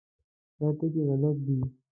دا ټکي غلط دي.